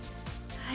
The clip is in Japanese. はい。